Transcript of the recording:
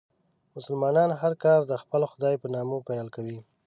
مسلمانان هر کار د خپل خدای په نامه پیل کوي.